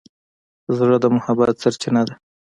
زړه د محبت سرچینه ده.